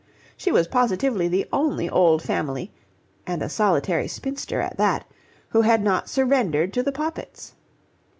She was positively the only old family (and a solitary spinster at that) who had not surrendered to the Poppits.